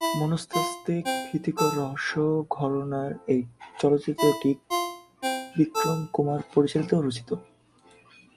মনস্তাত্ত্বিক-ভীতিকর-রহস্য ঘরানার এই চলচ্চিত্রটি ছিলো বিক্রম কুমার পরিচালিত এবং রচিত।